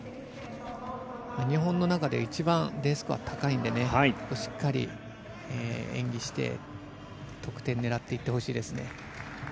日本の中で一番Ｄスコアが高いのでしっかり演技して、得点を狙っていってほしいですね。